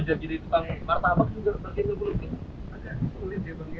agak sulit ya bang ya